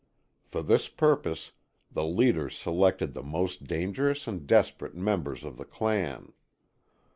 For this purpose the leaders selected the most dangerous and desperate members of the clan.